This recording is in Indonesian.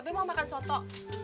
mbak be mau makan soto